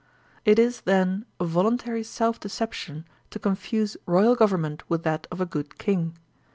It is, then, voluntary self deception to confuse royal govern ment with that of a good king.